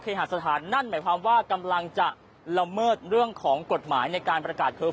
หาสถานนั่นหมายความว่ากำลังจะละเมิดเรื่องของกฎหมายในการประกาศคือ